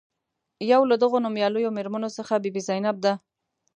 یو له دغو نومیالیو میرمنو څخه بي بي زینب ده.